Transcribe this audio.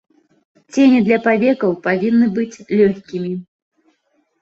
Цені для павекаў павінны быць лёгкімі.